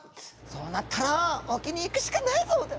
そうなったら沖に行くしかないぞ！」と。